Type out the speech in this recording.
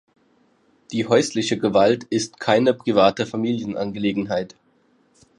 Die häusliche Gewalt ist keine private Familienangelegenheit.